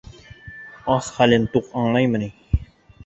Ас хәлен туҡ аңлаймы ни?